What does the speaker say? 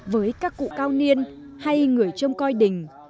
với các cụ cao niên hay người trông coi đình